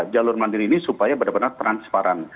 jalur mandiri ini supaya benar benar transparan